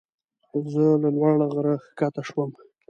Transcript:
زه له لوړ غره ښکته شوم.